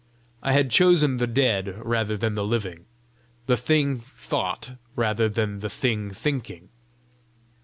I had chosen the dead rather than the living, the thing thought rather than the thing thinking!